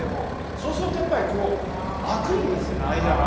そうするとやっぱりこう空くんですよね間が。